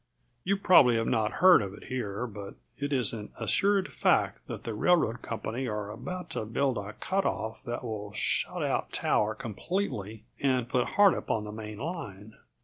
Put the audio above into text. You probably have not heard of it here, but it is an assured fact that the railroad company are about to build a cut off that will shut out Tower completely and put Hardup on the main line.